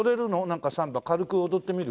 なんかサンバ軽く踊ってみる？